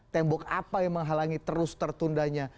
tembok apa yang menghalangi terus tertundanya